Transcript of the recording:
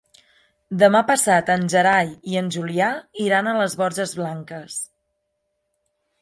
Demà passat en Gerai i en Julià iran a les Borges Blanques.